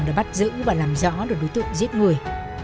đã bắt giữ và làm rõ được đối tượng giết người